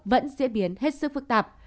vẫn diễn biến hết sức phức tạp